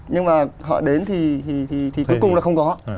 nhưng mà họ đến thì cuối cùng là không có